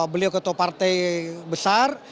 beliau ketua partai besar